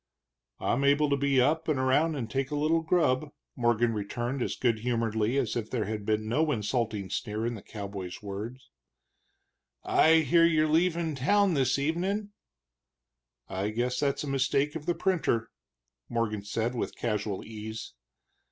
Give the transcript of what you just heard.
"I'm able to be up and around and take a little grub," Morgan returned, as good humoredly as if there had been no insulting sneer in the cowboy's words. "I hear you're leaving town this evenin'?" "I guess that's a mistake of the printer," Morgan said with casual ease.